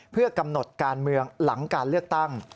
เพื่อกำหนดการเมืองหลังการเลือกตั้ง